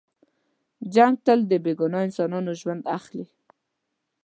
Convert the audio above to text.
جنګ تل د بې ګناه انسانانو ژوند اخلي.